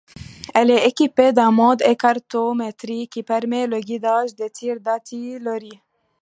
Elle est équipée d'un mode écartométrie, qui permet le guidage des tirs d'artillerie.